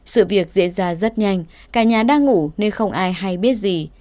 sự việc diễn ra rất nhanh cả nhà đang ngủ nên không ai hay biết gì